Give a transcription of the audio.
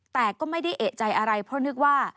แต่ก็ไม่ได้เอกใจอะไรเพราะนึกว่า